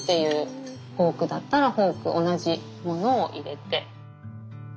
フォークだったらフォーク同じものを入れて。